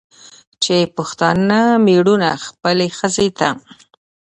چې پښتانه مېړونه خپلې ښځې ته